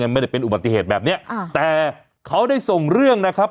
ไม่ได้เป็นอุบัติเหตุแบบเนี้ยอ่าแต่เขาได้ส่งเรื่องนะครับ